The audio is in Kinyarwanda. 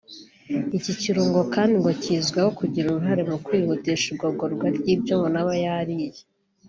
Iki kirungo kandi ngo kizwiho kugira uruhare mu kwihutisha igogorwa ry’ibyo umuntu aba yariye